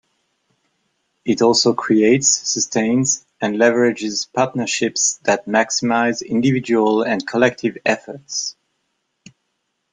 It also creates, sustains and leverages partnerships that maximize individual and collective efforts.